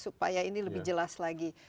supaya ini lebih jelas lagi